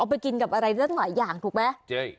เอาไปกินกับอะไรได้ตั้งหลายอย่างถูกไหมเจ๊